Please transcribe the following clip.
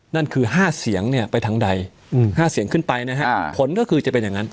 นั่นคือ๕เสียงเนี่ยไปทางใด๕เสียงขึ้นไปนะฮะผลก็คือจะเป็นอย่างนั้น